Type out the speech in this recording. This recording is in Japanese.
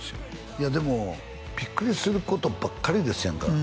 いやでもビックリすることばっかりですやんか